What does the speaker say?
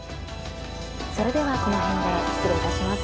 それではこの辺で失礼いたします。